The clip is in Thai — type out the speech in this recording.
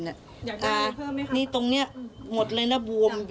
อยากได้อะไรเพิ่มมั้ยคะ